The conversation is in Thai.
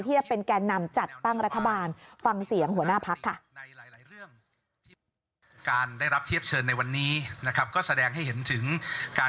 จะเป็นแก่นำจัดตั้งรัฐบาลฟังเสียงหัวหน้าพักค่ะ